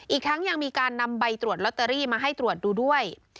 อีกทั้งยังมีการนำใบตรวจลอตเตอรี่มาให้ตรวจดูด้วย